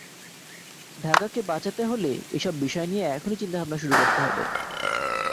ঢাকাকে বাঁচাতে হলে এসব বিষয় নিয়ে এখনই চিন্তাভাবনা শুরু করতে হবে।